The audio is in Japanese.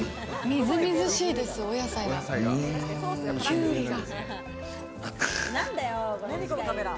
みずみずしいです、お野菜が、きゅうりが。